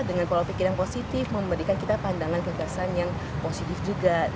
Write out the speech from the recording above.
dengan pola pikir yang positif memberikan kita pandangan kegagasan yang positif juga